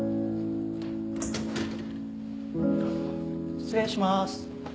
失礼します。